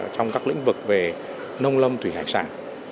trong các lĩnh vực về nông lâm thủy hải sản